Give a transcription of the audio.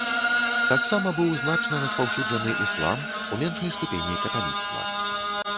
Таксама быў значна распаўсюджаны іслам, у меншай ступені каталіцтва.